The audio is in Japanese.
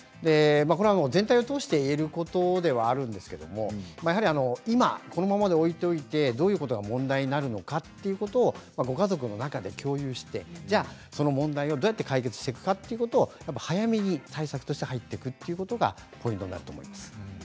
全体を通して言えることではあるんですが今このままで置いておいてどういうことが問題になるのかご家族の中で共有してその問題をどうやって解決していくか早めに対策として入っていくということがポイントになります。